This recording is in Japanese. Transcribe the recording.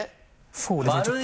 そうですねちょっと。